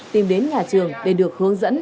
tìm đến nhà trường để được hướng dẫn